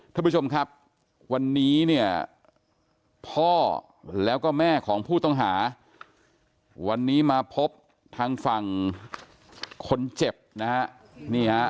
ท่านผู้ชมครับวันนี้เนี่ยพ่อแล้วก็แม่ของผู้ต้องหาวันนี้มาพบทางฝั่งคนเจ็บนะฮะนี่ฮะ